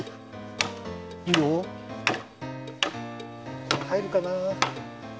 いいよ。はいるかな。